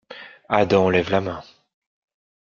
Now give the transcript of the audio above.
Adam lève la main.